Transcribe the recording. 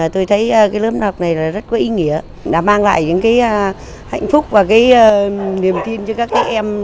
tôi thấy cái lớp học này rất có ý nghĩa đã mang lại những cái hạnh phúc và cái niềm tin cho các em